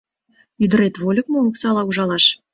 Ӱдырет вольык мо — оксала ужалаш?